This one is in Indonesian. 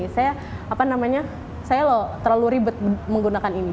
saya apa namanya saya loh terlalu ribet menggunakan ini